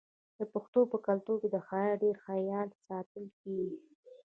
د پښتنو په کلتور کې د حیا ډیر خیال ساتل کیږي.